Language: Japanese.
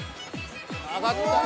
上がったよ。